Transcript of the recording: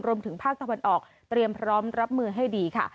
รวมถึงภาคตะวันออกเตรียมพร้อมรับมือให้ดีค่ะ